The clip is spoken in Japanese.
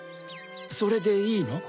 それでいいの？